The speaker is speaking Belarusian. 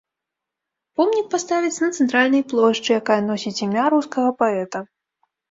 Помнік паставяць на цэнтральнай плошчы, якая носіць імя рускага паэта.